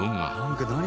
何？